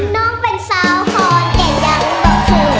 น้องเป็นสาวฮอร์นแกยังยังบอกเคย